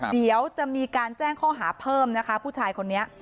เดี๋ยวจะมีการแจ้งข้อหาเพิ่มนะคะผู้ชายคนนี้